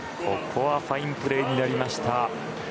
ここはファインプレーになりました。